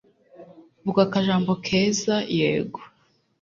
vuga akajambo keza ‘yego’